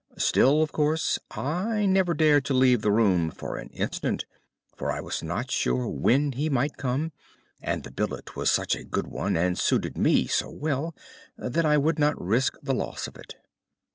Still, of course, I never dared to leave the room for an instant, for I was not sure when he might come, and the billet was such a good one, and suited me so well, that I would not risk the loss of it.